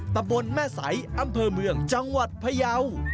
ตำบลแม่ใสอำเภอเมืองจังหวัดพยาว